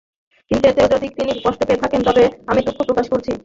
কিন্তু এতে যদি তিনি কষ্ট পেয়ে থাকেন, তবে আমি দুঃখ প্রকাশ করছি।